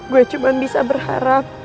gue cuma bisa berharap